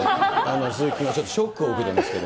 鈴木君はちょっとショックを受けてますけど。